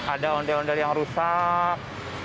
ada ondel ondel yang rusak